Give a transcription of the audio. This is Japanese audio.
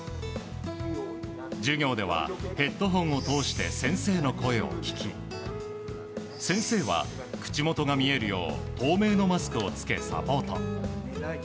授業ではヘッドホンを通して先生の声を聞き先生は口元が見えるよう透明のマスクを着けサポート。